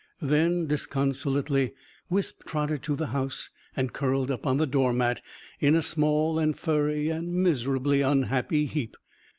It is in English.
Then, disconsolately, Wisp trotted to the house and curled up on the doormat in a small and furry and miserably unhappy heap.